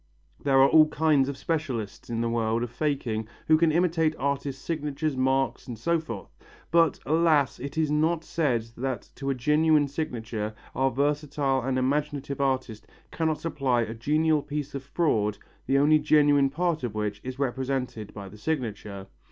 There are all kinds of specialists in the world of faking who can imitate artists' signatures, marks and so forth, but, alas, it is not said that to a genuine signature our versatile and imaginative artist cannot supply a genial piece of fraud the only genuine part of which is represented by the signature.